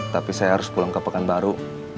tapi saya harus pulang ke pekan baru